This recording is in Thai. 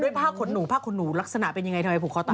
ผ้าขนหนูผ้าขนหนูลักษณะเป็นยังไงทำไมผูกคอตาย